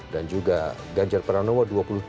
dan juga ganjar pranowo dua puluh tiga empat